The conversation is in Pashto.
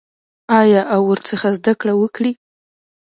آیا او ورڅخه زده کړه وکړي؟